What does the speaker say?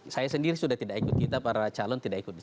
saya sendiri sudah tidak ikut kita para calon tidak ikut